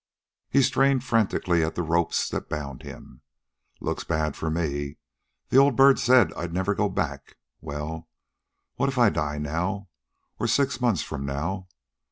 He strained frantically at the ropes that bound him. "Looks bad for me: the old bird said I'd never go back. Well, what if I die now ... or six months from now?